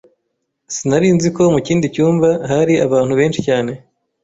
Sinari nzi ko mu kindi cyumba hari abantu benshi cyane.